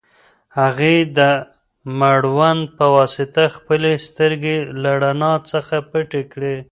هغې د مړوند په واسطه خپلې سترګې له رڼا څخه پټې کړې.